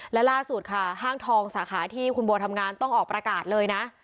และล่าสุดค่ะห้างทองสาขาที่คุณบัวทำงานต้องออกประกาศเลยนะ